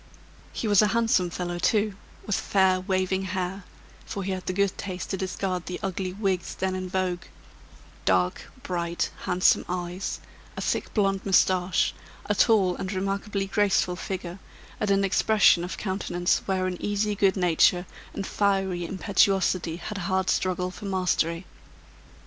He was a handsome fellow too, with fair waving hair (for he had the good taste to discard the ugly wigs then in vogue), dark, bright, handsome eyes, a thick blonde moustache, a tall and remarkably graceful figure, and an expression of countenance wherein easy good nature and fiery impetuosity had a hard struggle for mastery.